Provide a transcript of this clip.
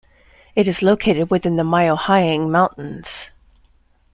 It is located within the Myohyang Mountains.